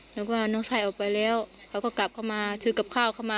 น้องว่าน้องชายออกไปแล้วเขาก็กลับเข้ามาถือกับข้าวเข้ามา